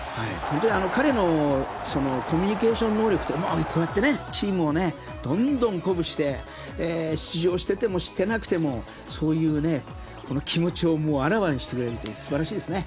彼のコミュニケーション能力とかこうやってチームをどんどん鼓舞して出場していてもしていなくてもそういう、気持ちをあらわにしてくれるという素晴らしいですね。